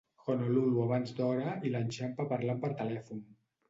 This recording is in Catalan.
Honolulu abans d'hora i l'enxampa parlant per telèfon.